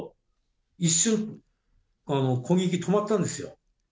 一瞬、攻撃が止まったんですよ。